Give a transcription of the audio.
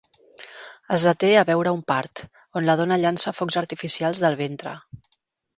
Es deté a veure un part, on la dona llança focs artificials del ventre.